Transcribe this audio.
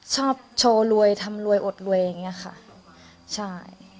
ชอบโชว์รวยทำรวยอดรวยอย่างเงี้ยค่ะใช่